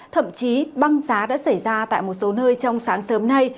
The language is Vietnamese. thậm chí băng giá đã xảy ra tại một số nơi trong sáng sớm nay